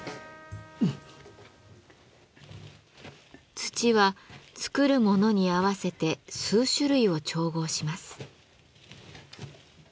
土は作る物に合わせて数種類を調合します。